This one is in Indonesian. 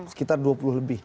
sekitar dua puluh lebih